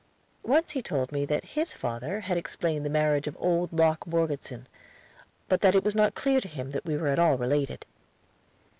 Once he told me that his father had explained the marriage of old Locke Morgeson; but that it was not clear to him that we were at all related.